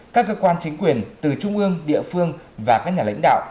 các cơ quan chính quyền từ trung ương địa phương và các nhà lãnh đạo